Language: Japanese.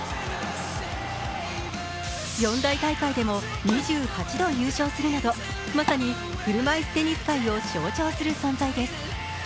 四大大会でも２８度優勝するなど、まさに車いすテニス界を象徴する存在です。